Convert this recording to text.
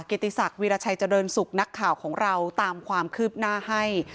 ติศักดิราชัยเจริญสุขนักข่าวของเราตามความคืบหน้าให้